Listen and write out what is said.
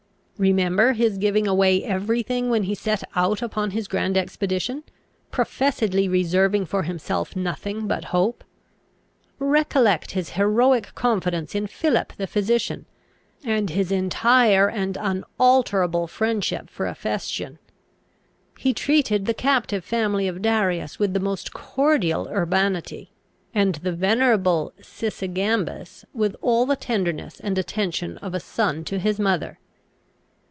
Remember his giving away every thing when he set out upon his grand expedition, professedly reserving for himself nothing but hope. Recollect his heroic confidence in Philip the physician, and his entire and unalterable friendship for Ephestion. He treated the captive family of Darius with the most cordial urbanity, and the venerable Sysigambis with all the tenderness and attention of a son to his mother.